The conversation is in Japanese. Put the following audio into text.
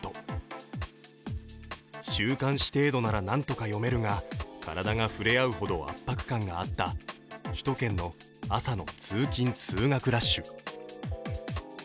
週刊誌程度ならなんとか読めるが体が触れ合うほど圧迫感があった首都圏の朝の通勤通学ラッシュ。